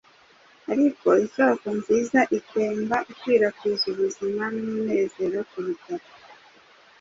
ariko isoko nziza itemba ikwirakwiza ubuzima n’umunezero ku butaka.